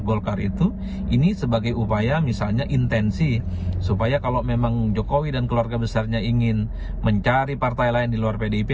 golkar itu ini sebagai upaya misalnya intensi supaya kalau memang jokowi dan keluarga besarnya ingin mencari partai lain di luar pdip